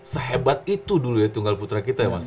sehebat itu dulu ya tunggal putra kita ya mas